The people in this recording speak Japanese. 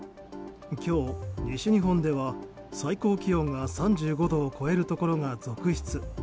今日、西日本では最高気温が３５度を超えるところが続出。